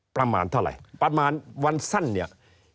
ประมาณเท่าไหร่ประมาณวันสั้นเนี่ย